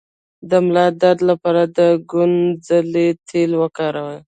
د ملا درد لپاره د کونځلې تېل وکاروئ